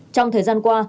trong thời gian qua